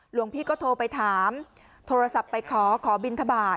หลวงพี่ก็โทรไปถามโทรศัพท์ไปขอขอบินทบาท